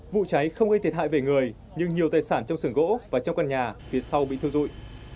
vụ cháy không gây thiệt hại về người nhưng nhiều tài sản trong xưởng gỗ và trong căn nhà phía sau bị thiêu dụi